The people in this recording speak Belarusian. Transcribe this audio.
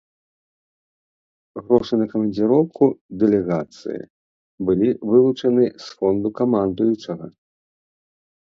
Грошы на камандзіроўку дэлегацыі былі вылучаны з фонду камандуючага.